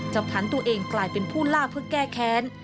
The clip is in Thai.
ผันตัวเองกลายเป็นผู้ล่าเพื่อแก้แค้น